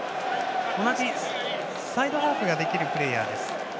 同じサイドハーフができるプレーヤーです。